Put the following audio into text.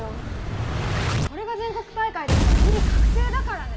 これが全国大会だったらビリ確定だからね。